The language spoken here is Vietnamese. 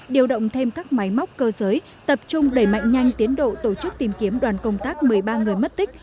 điều động thêm các máy móc cơ giới tập trung đẩy mạnh nhanh tiến độ tổ chức tìm kiếm đoàn công tác một mươi ba người mất tích